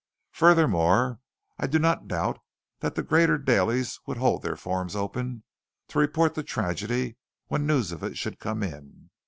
Furthermore, I do not doubt that the greater dailies would hold their forms open to report the tragedy when news of it should come in.